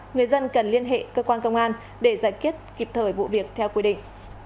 người dân cần liên hệ cơ quan công an để giải quyết kịp thời vụ việc theo quy định